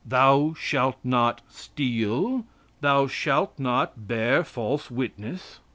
Thou shalt not steal. Thou shalt not bear false witness.